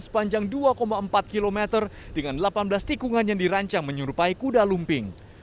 sepanjang dua empat km dengan delapan belas tikungan yang dirancang menyerupai kuda lumping